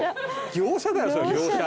業者だよそれ業者。